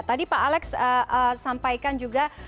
tadi pak alex sampaikan juga